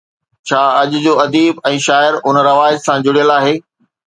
ڇا اڄ جو اديب ۽ شاعر ان روايت سان جڙيل آهي؟